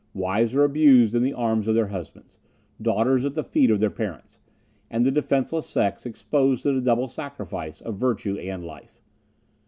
Wives were abused in the arms of their husbands, daughters at the feet of their parents; and the defenceless sex exposed to the double sacrifice of virtue and life.